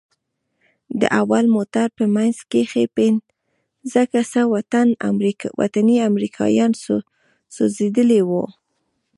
د اول موټر په منځ کښې پينځه کسه وطني امريکايان سوځېدلي وو.